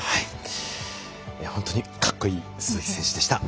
本当に格好いい鈴木選手でした。